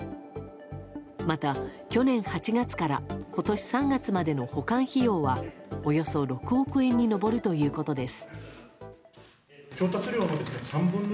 また去年８月から今年３月までの保管費用はおよそ６億円に上るということです。